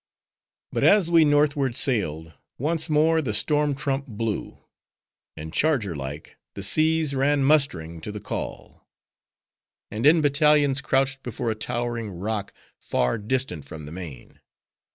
But as we northward sailed, once more the storm trump blew, and charger like, the seas ran mustering to the call; and in battalions crouched before a towering rock, far distant from the main.